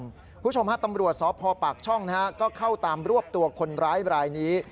คุณผู้ชมฮะตำรวจสพปากช่องก็เข้าตามรวบตัวคนร้ายรายนี้